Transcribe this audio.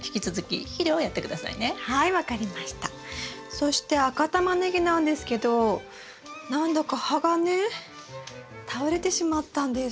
そして赤タマネギなんですけど何だか葉がね倒れてしまったんです。